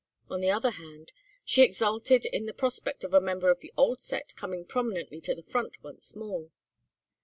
On the other hand, she exulted in the prospect of a member of the old set coming prominently to the front once more.